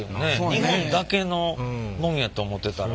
日本だけのもんやと思ってたら。